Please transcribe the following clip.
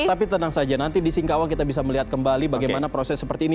tapi tenang saja nanti di singkawang kita bisa melihat kembali bagaimana proses seperti ini